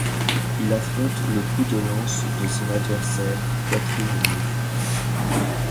Il affronte le coup de lance de son adversaire poitrine nue.